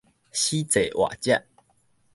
死坐活食